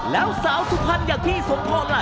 แล้วสาวสุภัณฑ์อย่างพี่สวงธนล่ะ